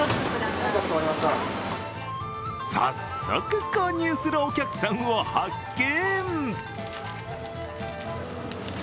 早速、購入するお客さんを発見。